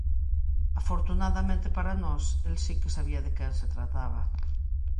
Afortunadamente para nós, el si que sabía de quen se trataba.